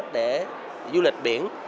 để du lịch biển